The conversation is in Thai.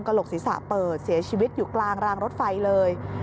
โหลกศีรษะเปิดเสียชีวิตอยู่กลางรางรถไฟเลย